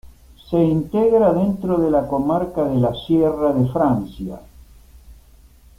Se integra dentro de la comarca de la Sierra de Francia.